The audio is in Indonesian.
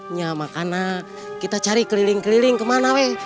nyamak anak kita cari keliling keliling kemana weh